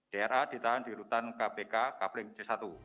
dra ditahan di rutan kpk kapling c satu